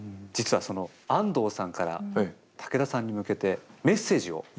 実はその安藤さんから武田さんに向けてメッセージを。